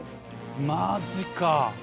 マジか！